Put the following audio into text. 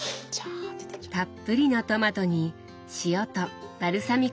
たっぷりのトマトに塩とバルサミコ酢。